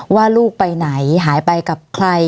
ว่าลูกไปไหนหายไปกับใคร